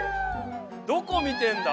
どこ見てんだ？